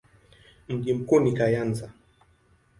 Mji mkuu ni Kayanza.